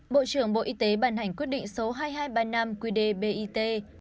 bộ trưởng bộ y tế bàn hành quyết định số hai nghìn hai trăm ba mươi năm qdbit